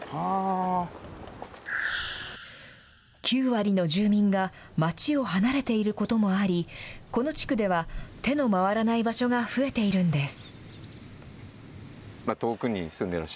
９割の住民が、町を離れていることもあり、この地区では手の回らない場所が増えているんです。